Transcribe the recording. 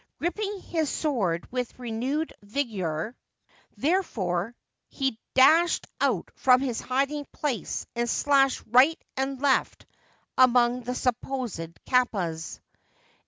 Gripping his sword with renewed vigour, therefore, he dashed out from his hiding place and slashed right and left among the supposed kappas.